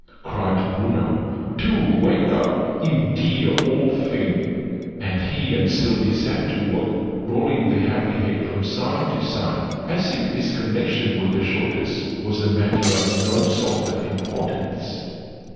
cried Bruno. "Do wake up, you dear old thing!" And he and Sylvie set to work, rolling the heavy head from side to side, as if its connection with the shoulders was a matter of no sort of importance.